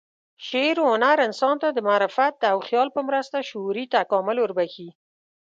شعر و هنر انسان ته د معرفت او خیال په مرسته شعوري تکامل وربخښي.